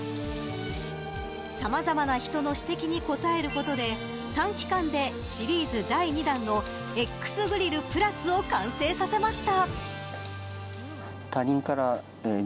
さまざまな人の指摘に応えることで短期間でシリーズ第２弾のＸＧＲＩＬＬ＋ＰＬＵＳを完成させました。